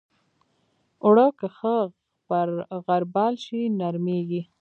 اوړه که ښه غربال شي، نرمېږي